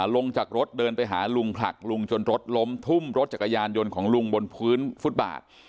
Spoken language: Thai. ลงจากรถเดินไปหาลุงผลักลุงจนรถล้มทุ่มรถจักรยานยนต์ของลุงบนพื้นฟุตบาท